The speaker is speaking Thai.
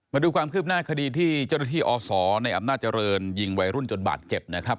มาดูความคืบหน้าคดีที่เจ้าหน้าที่อศในอำนาจเจริญยิงวัยรุ่นจนบาดเจ็บนะครับ